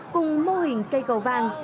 cùng mô hình cây cầu vàng